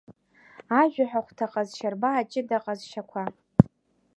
Ажәаҳәа хәҭа аҟазшьарба аҷыда ҟазшьақәа…